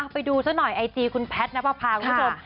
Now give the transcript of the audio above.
ไปดูซะหน่อยไอจีคุณแพทย์นับประพาคุณผู้ชม